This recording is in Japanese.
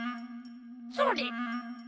それ。